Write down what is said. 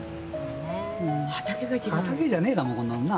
畑じゃねえだもんこんなのな。